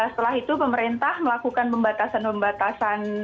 setelah itu pemerintah melakukan pembatasan pembatasan